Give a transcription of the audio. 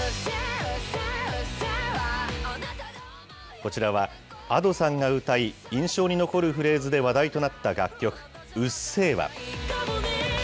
こちらはＡｄｏさんが歌い、印象に残るフレーズで話題となった楽曲、うっせぇわ。